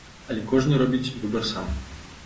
Але кожны робіць выбар сам.